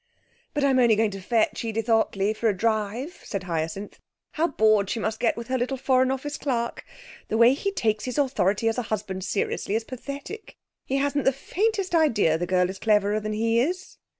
'But I'm only going to fetch Edith Ottley for a drive,' said Hyacinth. 'How bored she must get with her little Foreign Office clerk! The way he takes his authority as a husband seriously is pathetic. He hasn't the faintest idea the girl is cleverer than he is.'